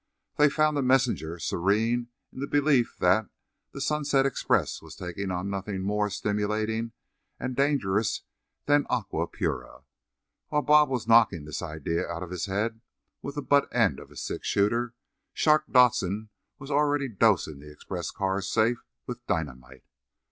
They found the messenger serene in the belief that the "Sunset Express" was taking on nothing more stimulating and dangerous than aqua pura. While Bob was knocking this idea out of his head with the butt end of his six shooter Shark Dodson was already dosing the express car safe with dynamite.